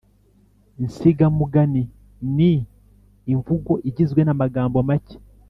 insigamugani ni imvugo igizwe n’amagambo make